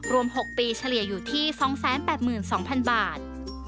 รวม๖ปีเฉลี่ยอยู่ที่๒๘๒๐๐๐บาท